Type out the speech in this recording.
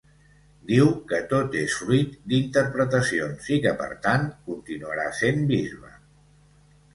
Diu que tot és fruit dinterpretacions i que per tant, continuarà sent bisbe.